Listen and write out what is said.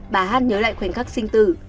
bà hát nhớ lại khoảnh khắc sinh tử